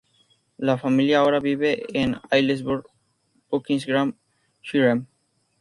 La familia ahora vive en Aylesbury, Buckinghamshire.